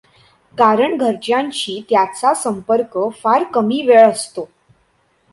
कारण घरच्याशी त्याचा संपर्क फार कमी वेळ असतो.